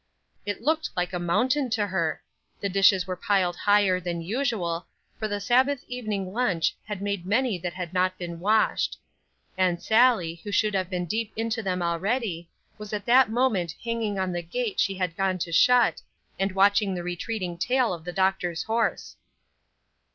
It looked like a mountain to her. The dishes were piled higher than usual, for the Sabbath evening lunch had made many that had not been washed. And Sallie, who should have been deep into them already, was at that moment hanging on the gate she had gone to shut, and watching the retreating tail of the doctor's horse.